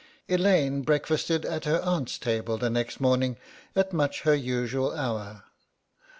Elaine breakfasted at her aunts' table the next morning at much her usual hour.